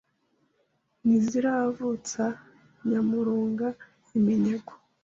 Ntiziravutsa Nyamurunga iminyago